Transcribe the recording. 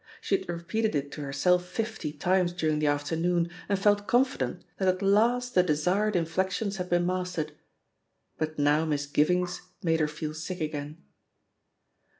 She had repeated it to her self fifty times during the afternoon and felt con fident that at last the desired inflexions had been mastered ; but now misgivings made her feel sick again.